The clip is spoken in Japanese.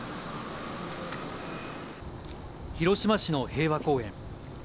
広島市の平和公園。